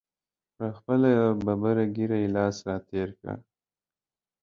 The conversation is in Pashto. پر خپله ببره ږیره یې لاس را تېر کړ.